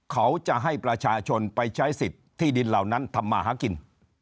เขาจะให้ประชาชนไปใช้สิทธิ์ที่ดินเหล่านั้นทำมาหากิน